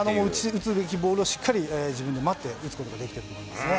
打つべきボールをしっかり自分で待って打つことができていると思いますね。